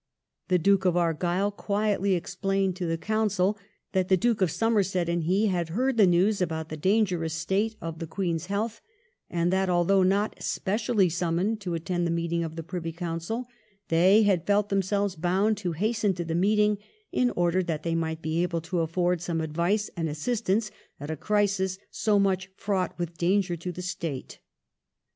The Duke of Argyle quietly explained to the Council that the Duke of Somerset and he had heard the news about the dangerous state of the Queen's health, and that although not specially summoned to attend the meeting of the Privy Council they had felt themselves bound to hasten to the meeting in order that they might be able to afford some advice and assistance at a crisis so much fraught with danger to the State.